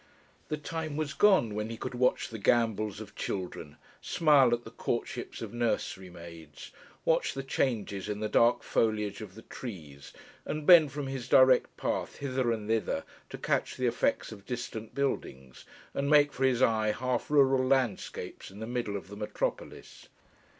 The time was gone when he could watch the gambols of children, smile at the courtships of nursery maids, watch the changes in the dark foliage of the trees, and bend from his direct path hither and thither to catch the effects of distant buildings, and make for his eye half rural landscapes in the middle of the metropolis.